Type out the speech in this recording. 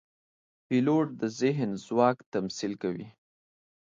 پیلوټ د ذهن ځواک تمثیل کوي.